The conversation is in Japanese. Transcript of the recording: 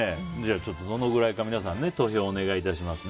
どのぐらいか投票をお願いします。